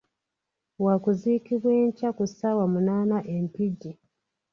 Wakuziikibwa enkya ku ssaawa munaana e Mpigi.